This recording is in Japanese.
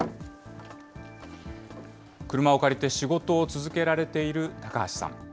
車を借りて仕事を続けられている高橋さん。